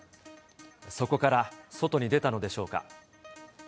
そこから外に出たのでしょうか。